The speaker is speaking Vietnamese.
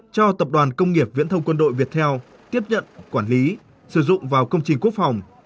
cho tập đoàn công nghiệp viễn thông quân đội việt theo tiếp nhận quản lý sử dụng vào công trình quốc phòng